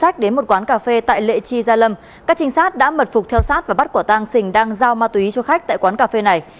các trinh sát đã mật phục theo sát và bắt quả tang xình đang giao ma túy cho khách tại quán cà phê này